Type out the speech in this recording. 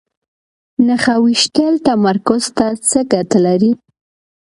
نښه ویشتل تمرکز ته څه ګټه لري؟